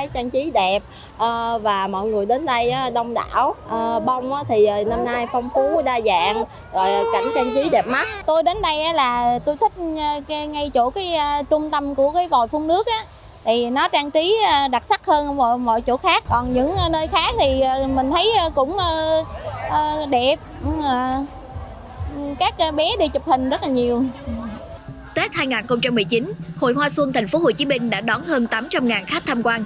tết hai nghìn một mươi chín hội hoa xuân tp hcm đã đón hơn tám trăm linh khách tham quan